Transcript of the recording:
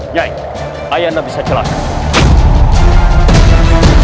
nyai ayah tidak bisa celaka